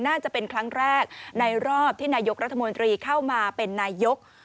น่าจะเป็นครั้งแรกในรอบที่นายกรัฐมนตรีเข้ามาเป็นนายก